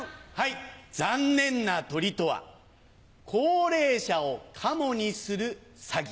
残念な鳥とは高齢者をカモにするサギ。